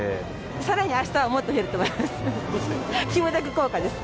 さらにあしたはもっと増えると思います。